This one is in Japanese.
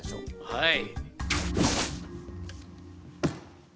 はい。